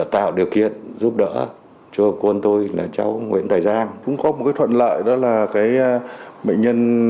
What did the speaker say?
hãy đăng ký kênh để ủng hộ kênh của mình nhé